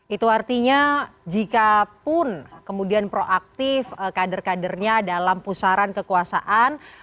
itu artinya jikapun kemudian proaktif kader kadernya dalam pusaran kekuasaan